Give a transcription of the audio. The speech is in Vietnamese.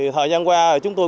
thời gian qua chúng tôi